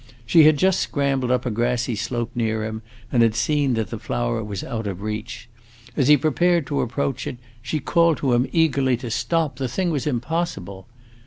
She had just scrambled up a grassy slope near him, and had seen that the flower was out of reach. As he prepared to approach it, she called to him eagerly to stop; the thing was impossible!